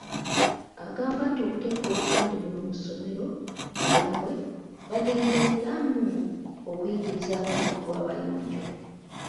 Agamba nti okuteeka obupande buno mu ssomero lyabwe baagendereramu okuyigiriza abaana okuba abayonjo.